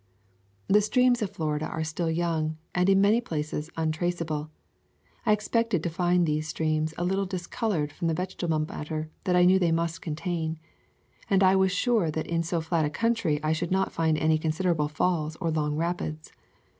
The streams of Florida are still young, and in many places are untraceable. I expected to find these streams a little discolored from the vegetable matter that I knew they must con tain, and I was sure that in so flat a country I should not find any considerable falls or long rapids.